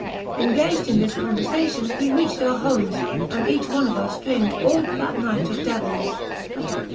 Engaged in this conversation, we reached our homes, and each one of us dreamed all that night of devils.